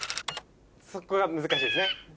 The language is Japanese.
そこが難しいですね。